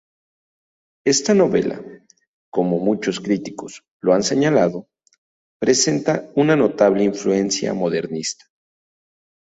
Esta novela, como muchos críticos lo han señalado, presenta una notable influencia modernista.